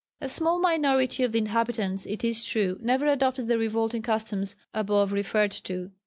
A small minority of the inhabitants, it is true, never adopted the revolting customs above referred to.